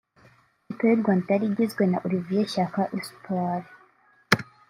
Ikipe y’u Rwanda yari igizwe na Olivier Shyaka (Espoir)